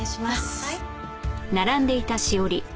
はい。